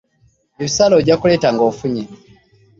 Ebisale ojja kuleeta ng'ofunye.